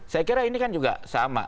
saya kira ini kan juga sama